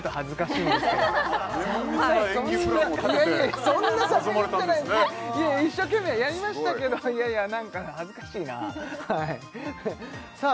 いやいや一生懸命やりましたけどいやいやなんか恥ずかしいなさあ